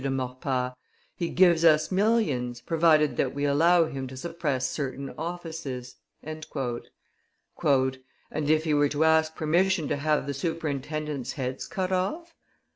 de Maurepas: "he gives us millions, provided that we allow him to suppress certain offices." "And if he were to ask permission to have the superintendents' heads cut off?"